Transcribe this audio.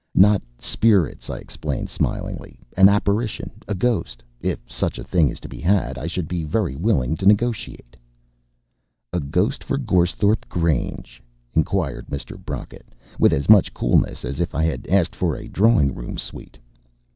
"Not spirits," I explained smilingly; "an apparition a ghost. If such a thing is to be had, I should be very willing to negotiate." "A ghost for Goresthorpe Grange?" inquired Mr. Brocket, with as much coolness as if I had asked for a drawing room suite.